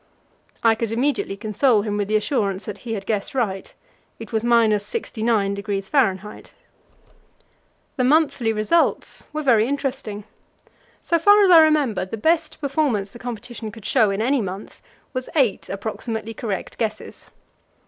I could immediately console him with the assurance that he had guessed right. It was 69°F. The monthly results were very interesting. So far as I remember, the best performance the competition could show in any month was eight approximately correct guesses.